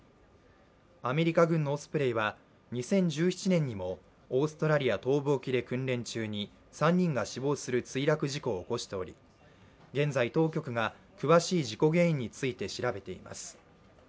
アメリカ軍のオスプレイは２０１７年にもオーストラリア東部沖で訓練中に３人が死亡する墜落事故を起こしており、現在、当局が詳しい事故原因について調べています。